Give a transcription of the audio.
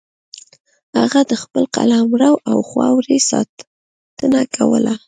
هغه د خپل قلمرو او خاورې ساتنه کوله.